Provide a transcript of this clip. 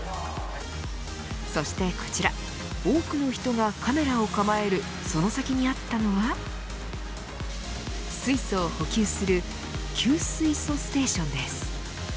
そしてこちら多くの人がカメラを構えるその先にあったのは水素の補給する給水素ステーションです。